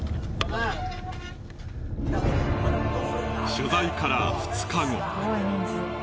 取材から２日後。